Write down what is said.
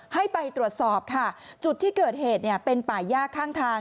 ให้ไปตรวจสอบค่ะจุดที่เกิดเหตุเนี่ยเป็นป่าย่าข้างทาง